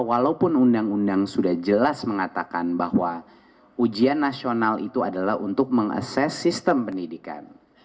walaupun undang undang sudah jelas mengatakan bahwa ujian nasional itu adalah untuk mengases sistem pendidikan